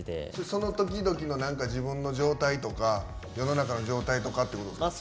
その時々の自分の状態とか世の中の状態とかってことですか。